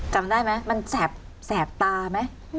จำได้ไหมมันแสบตาไหม